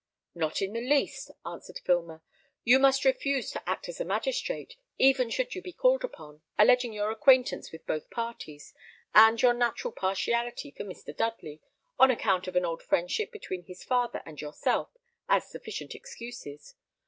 "Not in the least," answered Filmer. "You must refuse to act as a magistrate, even should you be called upon, alleging your acquaintance with both parties, and your natural partiality for Mr. Dudley, on account of old friendship between his father and yourself, as sufficient excuses.